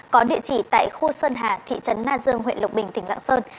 có địa chỉ tại khu sơn hà thị trấn na dương huyện lộc bình tp lạng sơn